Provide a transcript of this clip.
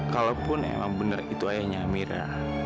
kalaupun emang benar itu ayahnya amira